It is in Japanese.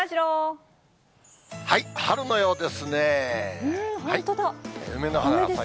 春のようですね。